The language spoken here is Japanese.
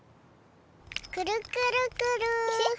くるくるくる。